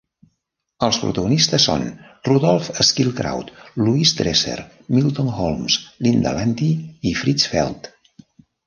Els protagonistes són Rudolph Schildkraut, Louise Dresser, Milton Holmes, Linda Landi i Fritz Feld.